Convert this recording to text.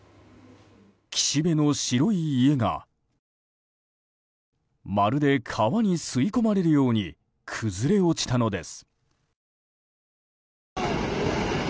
岸辺の白い家がまるで川に吸い込まれるように崩れ落ちたのです。